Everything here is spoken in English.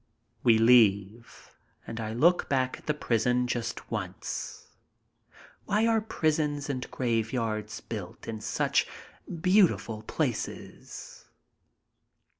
We leave and I look back at the prison just once. Why are prisons and graveyards built in such beautiful places?